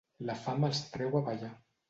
La fam els treu a ballar.